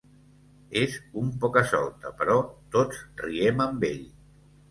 És un poca-solta, però tots riem amb ell.